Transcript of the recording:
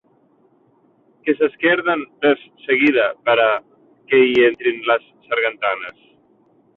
Que s'esquerden des seguida pera que hi entrin les sargantanes